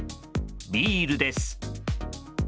ビールです。